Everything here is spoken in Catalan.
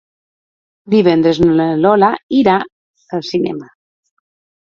Divendres na Lola irà al cinema.